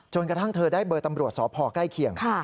กระทั่งเธอได้เบอร์ตำรวจสพใกล้เคียง